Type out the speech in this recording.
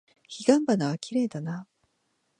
彼岸花はきれいだな。